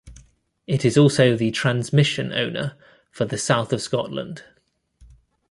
It is also the Transmission Owner for the south of Scotland.